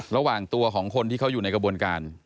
ระหว่างตัวของคนที่เขาอยู่ในกระบวนการ